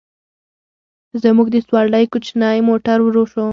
زموږ د سورلۍ کوچنی موټر ورو شو.